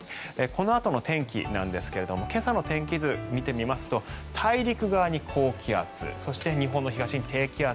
このあとの天気なんですが今朝の天気図を見てみますと大陸側に高気圧そして、日本の東に低気圧。